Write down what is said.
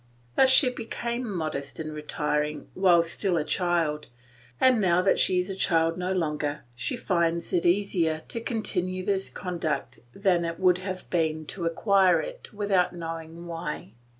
Thus she became modest and retiring while still a child, and now that she is a child no longer, she finds it easier to continue this conduct than it would have been to acquire it without knowing why.